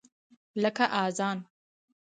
لکه اذان !